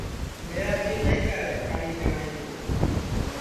میرا جیو نائی کرے کڑی جاٹؔے کُو